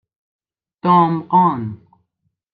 دامغان